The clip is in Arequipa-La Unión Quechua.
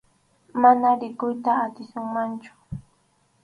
Manam rikuyta atisunmanchu.